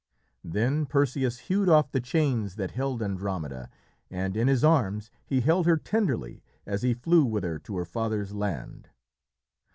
Then Perseus hewed off the chains that held Andromeda, and in his arms he held her tenderly as he flew with her to her father's land.